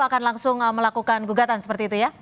akan langsung melakukan gugatan seperti itu ya